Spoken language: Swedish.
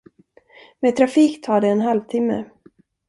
Med trafik tar det en halvtimme.